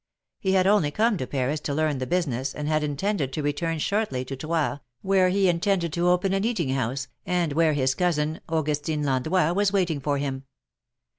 He had only come to Paris to learn the business, and had intended to return shortly to Troyes, where he intended to open an eating house, and where his cousin, Augustine Landois, was waiting for him.